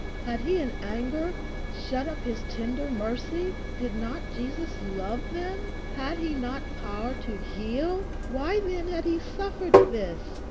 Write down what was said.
Had he in anger shut up his tender mercy? Did not Jesus love them? Had he not power to heal? Why then had he suffered this?